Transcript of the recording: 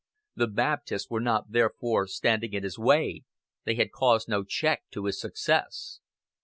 The Baptists were not therefore standing in his way: they had caused no check to his success.